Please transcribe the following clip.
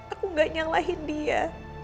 aku tidak menyalahkan dia